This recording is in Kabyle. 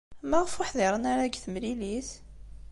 Maɣef ur ḥdiṛen ara deg temlilit?